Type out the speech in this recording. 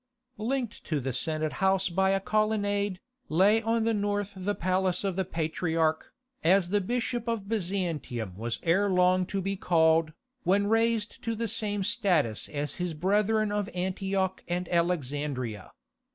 Linked to the Senate House by a colonnade, lay on the north the Palace of the Patriarch, as the Bishop of Byzantium was ere long to be called, when raised to the same status as his brethren of Antioch and Alexandria.